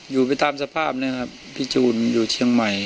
อยู่ไปตามสภาพนี้ครับพี่จูนอยู่เชียงใหม่